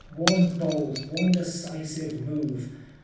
One bold, one decisive move.